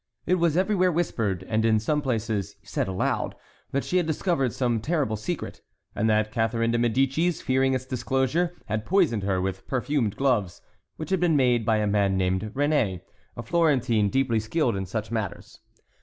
It was everywhere whispered, and in some places said aloud, that she had discovered some terrible secret; and that Catharine de Médicis, fearing its disclosure, had poisoned her with perfumed gloves, which had been made by a man named Réné, a Florentine deeply skilled in such matters.